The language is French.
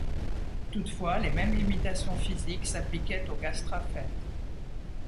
Toutefois, les mêmes limitations physiques s’appliquaient au Gastraphètes.